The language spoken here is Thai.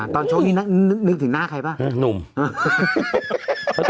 ตอนโชว์นี้นึกถึงหน้าใครเปล่า